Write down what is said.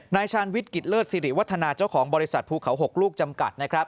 ชาญวิทย์กิจเลิศสิริวัฒนาเจ้าของบริษัทภูเขา๖ลูกจำกัดนะครับ